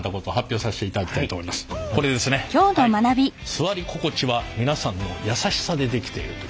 座り心地は皆さんのやさしさで出来ている！